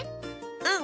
うん！